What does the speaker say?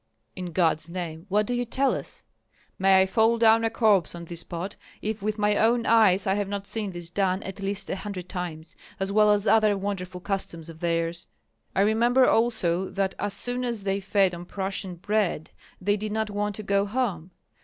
"In God's name, what do you tell us?" "May I fall down a corpse on this spot if with my own eyes I have not seen this done at least a hundred times, as well as other wonderful customs of theirs! I remember also that as soon as they fed on Prussian bread, they did not want to go home.